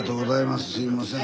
すいません。